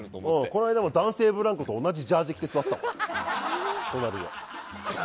この間も男性ブランコと同じジャージー来て座ってたもん。